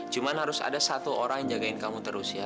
cuma harus ada satu orang yang jagain kamu terus ya